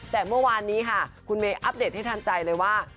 แต่เมื่อวานนี้ค่ะคุณเมย์อัปเดตให้ทันใจเลยว่า